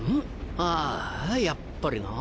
ああやっぱりなぁ。